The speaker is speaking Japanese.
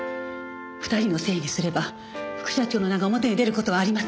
２人のせいにすれば副社長の名が表に出る事はありません。